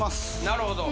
なるほど。